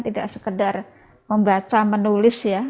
tidak sekedar membaca menulis ya